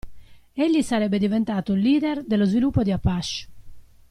Egli sarebbe diventato leader dello sviluppo di Apache.